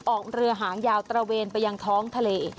ออกเรือหางยาวตระเวนไปยังท้องทะเล